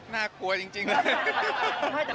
น่ากลัวจริง